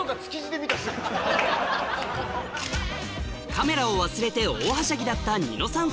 カメラを忘れて大はしゃぎだったニノさん